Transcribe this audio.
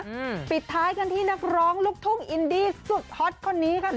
ปิดท้ายกันที่นักร้องลูกทุ่งอินดี้สุดฮอตคนนี้ค่ะ